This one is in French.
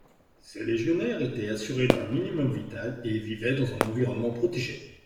Ces légionnaires étaient assurés d’un minimum vital et vivaient dans un environnement protégé.